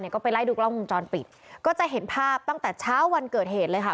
ก็ไปไล่ดูกล้องวงจรปิดก็จะเห็นภาพตั้งแต่เช้าวันเกิดเหตุเลยค่ะ